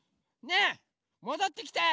ねえもどってきて！